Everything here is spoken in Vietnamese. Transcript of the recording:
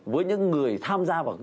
với những người tham gia vào